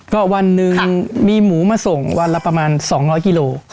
ก็วันหนึ่งมีหมูมาส่งวันละประมาณ๒๐๐กิโล